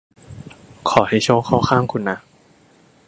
ขอให้โชคเข้าข้างคุณนะ